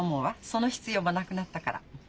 その必要もなくなったから。